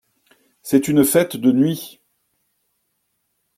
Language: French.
C’est une fête de nuit.